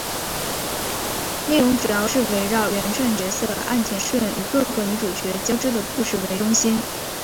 内容主要是围绕原创角色岸田瞬与各个女主角交织的故事为中心。